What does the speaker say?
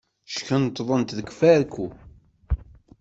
Ckunṭḍent deg ufarku.